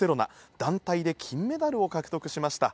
団体で金メダルを獲得しました。